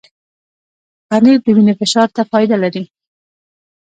پنېر د وینې فشار ته فایده لري.